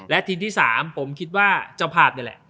และทีมที่๓ผมคิดว่าเจ้าภาพนี่แหละ